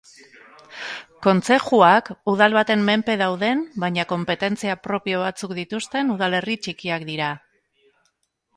Kontzejuak udal baten menpe dauden baina konpetentzia propio batzuk dituzten udalerri txikiak dira.